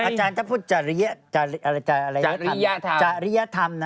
อาจารย์จะพูดจาริยธรรม